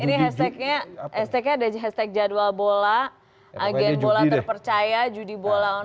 ini hashtagnya hashtagnya ada hashtag jadwal bola agen bola terpercaya judi bola